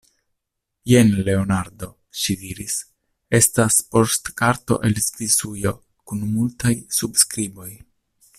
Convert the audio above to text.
Jen, Leonardo, ŝi diris, estas poŝtkarto el Svisujo kun multaj subskriboj.